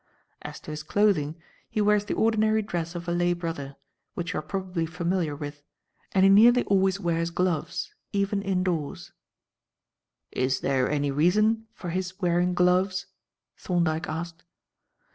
As to his clothing, he wears the ordinary dress of a lay brother, which you are probably familiar with, and he nearly always wears gloves, even indoors." "Is there any reason for his wearing gloves?" Thorndyke asked.